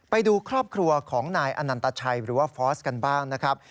ไปดูครอบครัวของนายอนันตชัยหรือว่าฟอสกันบ้างนะครับ